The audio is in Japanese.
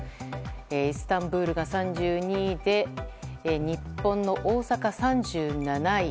イスタンブールが３２位で日本の大阪、３７位。